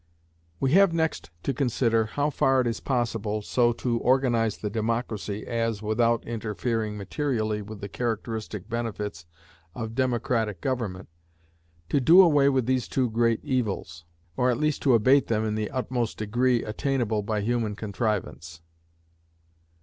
We have next to consider how far it is possible so to organize the democracy as, without interfering materially with the characteristic benefits of democratic government, to do away with these two great evils, or at least to abate them in the utmost degree attainable by human contrivance.